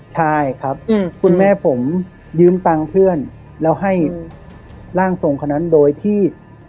ใช่ครับคุณแม่ผมยืมตังค์เพื่อนแล้วให้ร่างทรงคนนั้นโดยที่